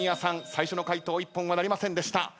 最初の回答一本はなりませんでした。